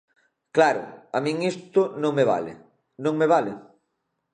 Claro, a min isto non me vale, non me vale.